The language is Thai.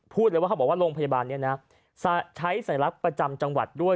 พูดเลยว่าเขาบอกว่าโรงพยาบาลนี้นะใช้สัญลักษณ์ประจำจังหวัดด้วย